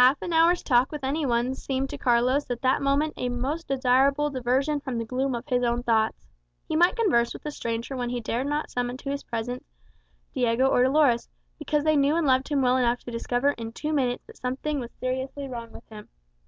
Half an hour's talk with any one seemed to Carlos at that moment a most desirable diversion from the gloom of his own thoughts. He might converse with this stranger when he dared not summon to his presence Diego or Dolores, because they knew and loved him well enough to discover in two minutes that something was seriously wrong with him.